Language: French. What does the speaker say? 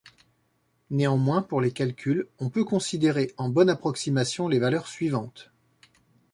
Néanmoins, pour les calculs, on peut considérer en bonne approximation les valeurs suivantes.